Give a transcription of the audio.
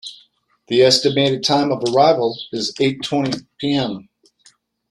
The estimated time of arrival is eight twenty pm.